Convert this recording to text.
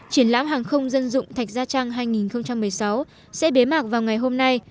triển lãm hàng không dân dụng thạch gia trang hai nghìn một mươi sáu sẽ bế mạc vào ngày hôm nay